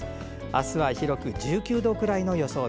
あすは広く１９度くらいの予想。